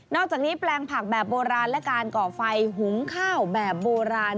อกจากนี้แปลงผักแบบโบราณและการก่อไฟหุงข้าวแบบโบราณ